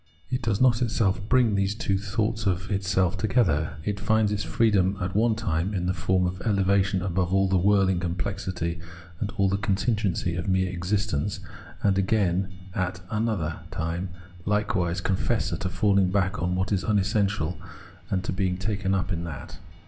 It does not itself bring these two thoughts of itself together. It finds its freedom, at one time, in the form of elevation above all the whirling complexity and all the contingency of mere existence, and again, at anot_. time, likewise confesses to falhng back upon what is unessential, and to being taken up with that.